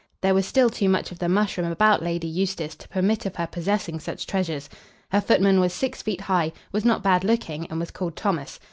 There was still too much of the mushroom about Lady Eustace to permit of her possessing such treasures. Her footman was six feet high, was not bad looking, and was called Thomas.